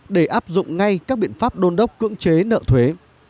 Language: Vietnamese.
để áp dụng ngay các biện pháp đôn đốc cưỡng chế nợ thuế